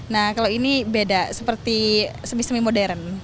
nah kalau ini beda seperti semi semi modern